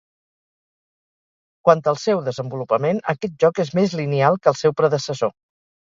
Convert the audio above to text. Quant al seu desenvolupament, aquest joc és més lineal que el seu predecessor.